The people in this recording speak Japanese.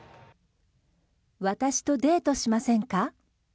私とデートしませんか？